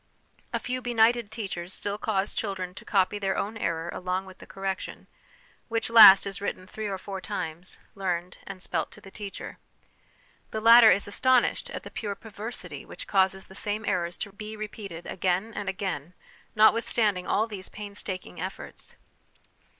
A few benighted teachers still cause children to copy their own error along with the correction, which last is written three or four LESSONS AS INSTRUMENTS OF EDUCATION 241 times, learned, and spelt to the teacher. The latter is astonished at the pure perversity which causes the same errors to be repeated again and again, notwith standing all these painstaking efforts.